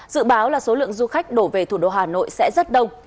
dự báo là số lượng du khách đổ về thủ đô hà nội sẽ rất đông